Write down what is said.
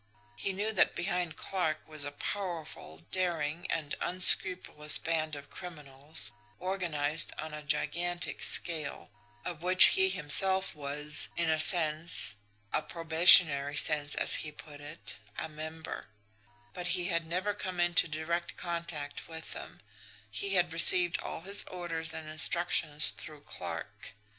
He knew that behind Clarke was a powerful, daring, and unscrupulous band of criminals, organised on a gigantic scale, of which he himself was, in a sense a probationary sense, as he put it a member; but he had never come into direct contact with them he had received all his orders and instructions through Clarke.